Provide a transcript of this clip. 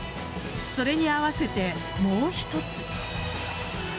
それに合わせて、もう一つ。